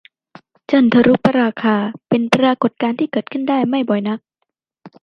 จันทรุปราคา เป็นปรากฎการณ์ที่เกิดขึ้นได้ไม่บ่อยนัก